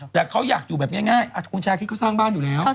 แต่เขาอยากอยู่แบบง่ายคุณชาคิดเขาสร้างบ้านอยู่แล้ว